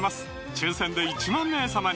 抽選で１万名様に！